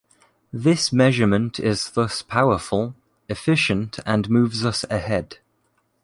This measure is thus powerful, efficient and moves us ahead.